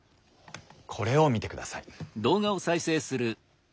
これを見てください。